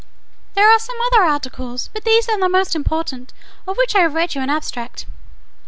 "There are some other articles; but these are the most important, of which I have read you an abstract.